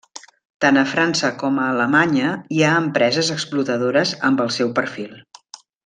Tant a França com a Alemanya hi ha empreses explotadores amb el seu perfil.